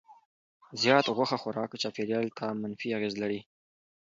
زیات غوښه خوراک چاپیریال ته منفي اغېز لري.